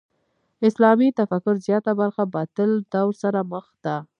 اسلامي تفکر زیاته برخه باطل دور سره مخ ده.